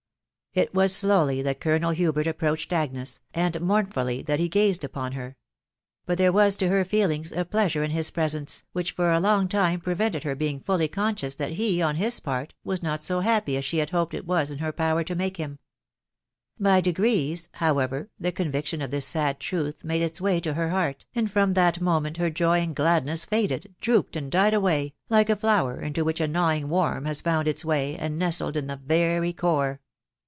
It was slowly that Colonel Hubert approached Agnes, and mournfully that he gazed upon her; but there was to her feelings a pleasure in his presence, which for a long time pre vented her being fully conscious that he, on his part, was not so happy as she had hoped it was in her power to make him* By degrees, however, the conviction of this sad truth made its way to her heart, and from that moment her joy and gJpd*¥WF faded, drooped, and died away, like a flower into which a gnawing worm has found its way, and nestled in the very core.